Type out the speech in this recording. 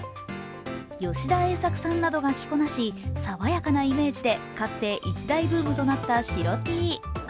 吉田栄作さんなどが着こなし爽やかなイメージでかつて一大ブームとなった白Ｔ。